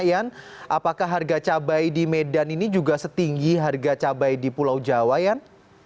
ian apakah harga cabai di medan ini juga setinggi harga cabai di pulau jawa yan